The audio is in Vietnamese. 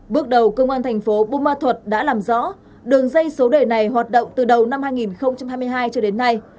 bước đầu công an thành phố bù ma thuật đã làm rõ đường dây số đề này hoạt động từ đầu năm hai nghìn hai mươi hai cho đến nay